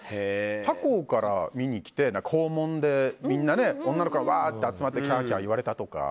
他校から見に来て校門でみんなで女の子がわーって集まってキャーキャー言われたとかは？